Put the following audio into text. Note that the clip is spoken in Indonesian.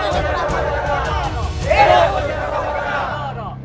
hidupnya para penduduk